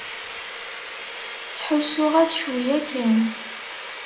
Ttḥussuɣ-as cwiya kan.